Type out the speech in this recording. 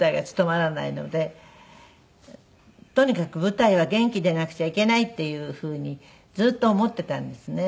とにかく舞台は元気でいなくちゃいけないっていうふうにずっと思っていたんですね。